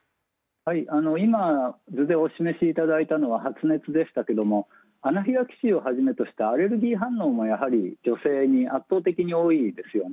今、図でお示しいただいたのは発熱でしたがアナフィラキシーをはじめとしたアレルギー反応もやはり女性に圧倒的に多いですよね。